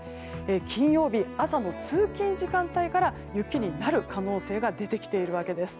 金曜日、朝の通勤時間帯から雪になる可能性が出てきているわけです。